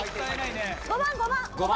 ５番５番。